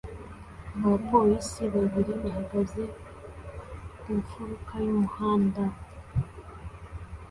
Abapolisi babiri bahagaze ku mfuruka y'umuhanda